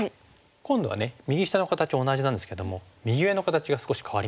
今度は右下の形は同じなんですけども右上の形が少し変わりました。